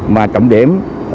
mà trọng điểm